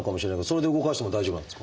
それで動かしても大丈夫なんですか？